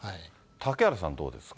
嵩原さん、どうですか？